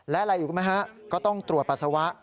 และอะไรอีกไหมฮะก็ต้องตรวจปัสสาวะ